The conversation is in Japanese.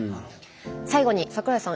最後に桜井さん